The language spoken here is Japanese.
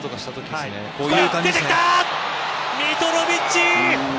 ミトロヴィッチ！